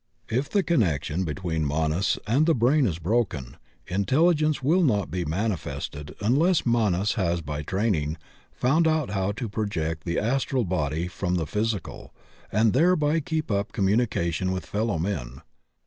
If the connection be tween Manas and the brain be broken, intelligence will not be manifested unless Manas has by training found out how to project the astral body from tiie physical and thereby keep up communication with fellowmen.